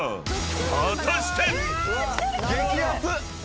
［果たして⁉］